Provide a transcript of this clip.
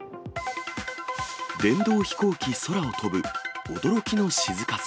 電動飛行機空を飛ぶ、驚きの静かさ。